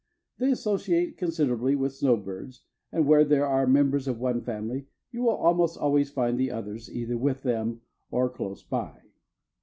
They associate considerably with snowbirds and where there are members of one family you will most always find the others either with them or close by.